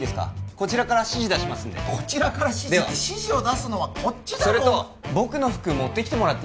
こちらから指示出しますんででは指示を出すのはこっちだろそれと僕の服持ってきてください